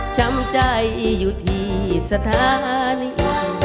ช้ำใจอยู่ที่สถานี